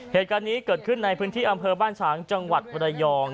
เหตุการณ์นี้เกิดขึ้นในพื้นที่อำเภอบ้านฉางจังหวัดมรยอง